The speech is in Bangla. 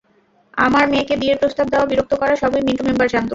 আমার মেয়েকে বিয়ের প্রস্তাব দেওয়া, বিরক্ত করা সবই মিন্টু মেম্বার জানত।